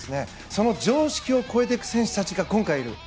その常識を超えていく選手たちが今回いる。